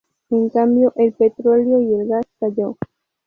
En cambio, el petróleo y el gas cayó.